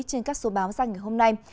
trên các số báo ra ngày hôm nay